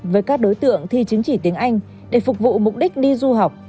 với các đối tượng thi chứng chỉ tiếng anh để phục vụ mục đích đi du học